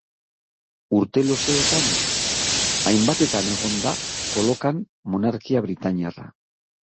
Urte luzeotan, hainbatetan egon da kolokan monarkia britainiarra.